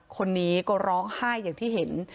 คนนี้ก็ร้องไห้อย่างที่เห็น